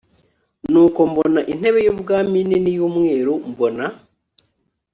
nuko mbona intebe y ubwami nini y umweru mbona